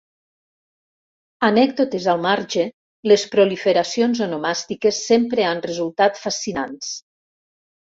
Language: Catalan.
Anècdotes al marge, les proliferacions onomàstiques sempre han resultat fascinants.